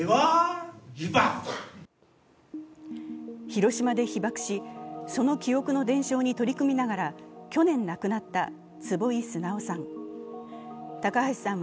広島で被爆し、その記憶の伝承に取り組みながら去年亡くなった坪井直さん。